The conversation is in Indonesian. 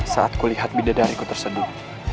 saat kulihat bidadariku terseduh